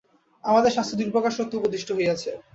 আমাদের শাস্ত্রে দুই প্রকার সত্য উপদিষ্ট হইয়াছে।